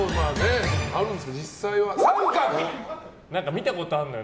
見たことあるのよ。